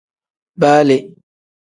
Baa le.